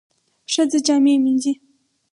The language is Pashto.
ښځه جامې مینځي.